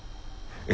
え？